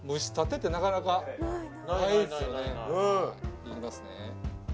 いきますね。